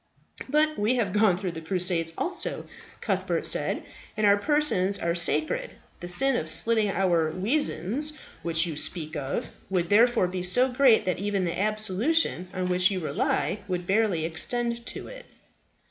"But we have gone through the Crusades also," Cuthbert said, "and our persons are sacred. The sin of slitting our weazands, which you speak of, would therefore be so great that even the absolution on which you rely would barely extend to it."